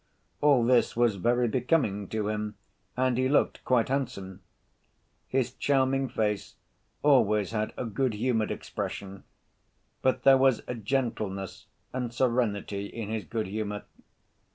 All this was very becoming to him, and he looked quite handsome. His charming face always had a good‐humored expression; but there was a gentleness and serenity in his good‐humor.